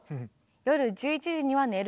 「夜１１時には寝ること」。